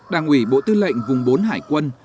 đảng ủy bộ tư lệnh vùng bốn hải quân